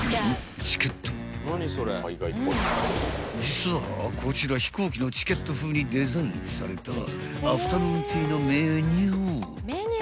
［実はこちら飛行機のチケット風にデザインされたアフタヌーンティーのメニュー］